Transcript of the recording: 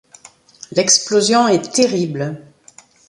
L'explosion est terrible.